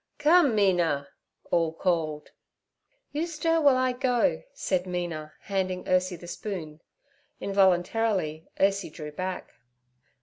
'Come, Mina!' all called. 'You stir while I go' said Mina, handing Ursie the spoon. Involuntarily Ursie drew back.